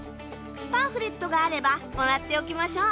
パンフレットがあればもらっておきましょう。